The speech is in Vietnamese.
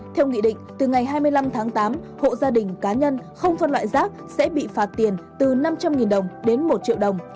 theo nghị định từ ngày hai mươi năm tháng tám hộ gia đình cá nhân không phân loại rác sẽ bị phạt tiền từ năm trăm linh đồng đến một triệu đồng